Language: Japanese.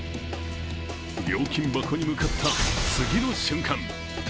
料金箱に向かった次の瞬間。